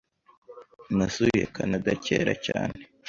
Nasuye Kanada kera cyane. .